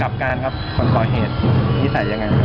กลับการคนต่อเหตุนิสัยยังไง